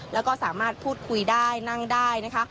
แล้วก็สามารถพูดคุยได้นั่งได้นะคะ